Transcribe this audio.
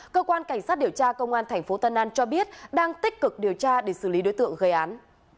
cơ quan cảnh sát điều tra công an tp tân an cho biết đang tích cực điều tra để xử lý đối tượng gây án